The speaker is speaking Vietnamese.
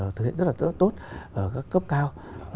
thực hiện rất là tốt ở các cấp cao